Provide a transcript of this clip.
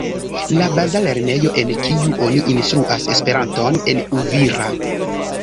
La baza lernejo en kiu oni instruas Esperanton en Uvira.